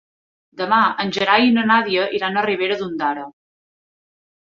Demà en Gerai i na Nàdia iran a Ribera d'Ondara.